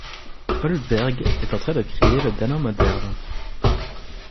Holberg est en train de créer le danois moderne.